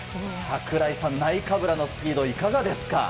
櫻井さん、ナイカブラのスピードいかがですか？